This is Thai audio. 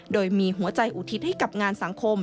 โดยมีหัวใจอุทิศให้กับงานสังคม